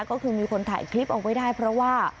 ก็คือมีคนถ่ายคลิปเอาไว้ได้เพราะว่า